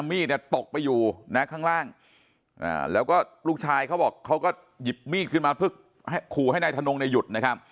มีดเนี่ยตกไปอยู่นะข้างล่างแล้วก็ลูกชายเขาบอกเขาก็หยิบมีดขึ้นมาเพื่อขู่ให้นายทนงเนี่ยหยุดนะครับ